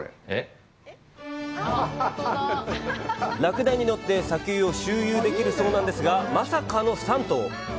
ラクダに乗って砂丘を周遊できるそうなんですが、まさかの３頭！